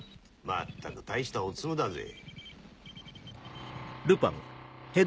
まったく大したオツムだぜ。